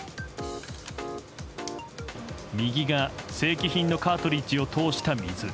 右が正規品のカートリッジを通した水。